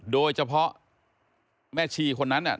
โดยเฉพาะแม่ชีคนนั้นเนี่ย